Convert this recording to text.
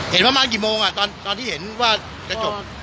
ประมาณกี่โมงตอนที่เห็นว่าจะจบ